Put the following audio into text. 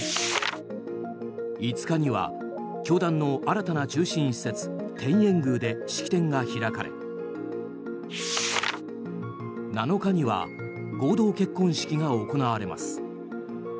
５日には教団の新たな中心施設天苑宮で式典が開かれ７日には合同結婚式が行われます。